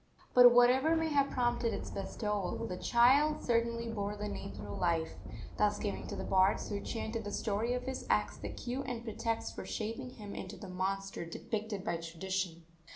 But, whatever may have prompted its bestowal, the child certainly bore the name through life, thus giving to the bards who chanted the story of his acts the cue and pretext for shaping him into the monster depicted by tradition.